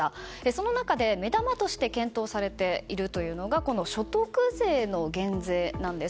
その中で、目玉として検討されているというのがこの所得税の減税なんです。